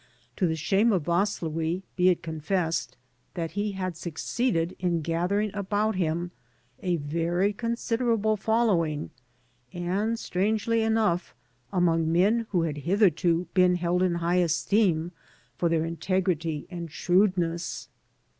To the shame of Vaslui be it confessed that he had succeeded in gathering about him a very considerable following, and, strangely enough, among men who had hitherto been held in high esteem for their integrity and shrewdness.